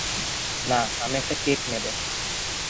না, আমি একটা কেক নেবো!